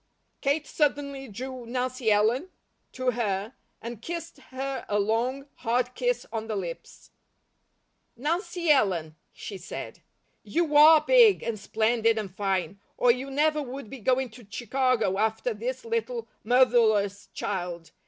Kate suddenly drew Nancy Ellen to her and kissed her a long, hard kiss on the lips. "Nancy Ellen," she said, "you ARE 'big, and splendid, and fine,' or you never would be going to Chicago after this little motherless child.